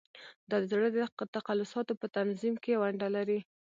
دا د زړه د تقلصاتو په تنظیم کې ونډه لري.